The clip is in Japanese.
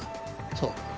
そう。